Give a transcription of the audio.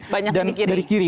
banyaknya dari kiri